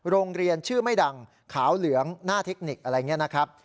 โรงเรียนชื่อไม่ดังขาวเหลืองหน้าเทคนิคอะไรอย่างนี้นะครับ